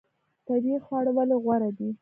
طبیعي خواړه ولې غوره دي؟